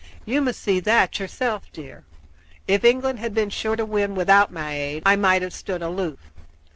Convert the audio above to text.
You must see that yourself, dear. If England had been sure to win without my aid, I might have stood aloof.